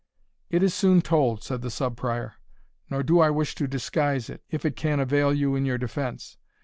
"It is soon told," said the Sub Prior; "nor do I wish to disguise it, if it can avail you in your defence.